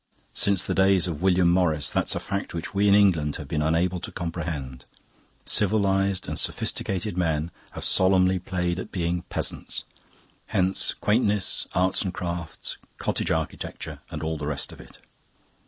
Since the days of William Morris that's a fact which we in England have been unable to comprehend. Civilised and sophisticated men have solemnly played at being peasants. Hence quaintness, arts and crafts, cottage architecture, and all the rest of it.